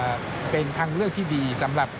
เป็นอย่างไรนั้นติดตามจากรายงานของคุณอัญชาฬีฟรีมั่วครับ